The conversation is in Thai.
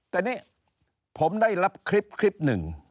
แต่นี่ผมได้รับคลิปคลิปหนึ่ง